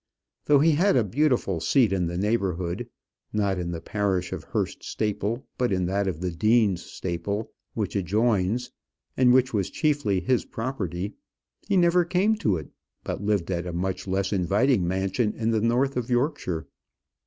Though he had a beautiful seat in the neighbourhood not in the parish of Hurst Staple, but in that of Deans Staple, which adjoins, and which was chiefly his property he never came to it, but lived at a much less inviting mansion in the north of Yorkshire.